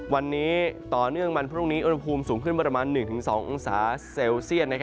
วันนี้ต่อเนื่องวันพรุ่งนี้อุณหภูมิสูงขึ้นประมาณ๑๒องศาเซลเซียต